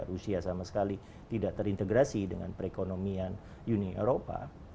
rusia sama sekali tidak terintegrasi dengan perekonomian uni eropa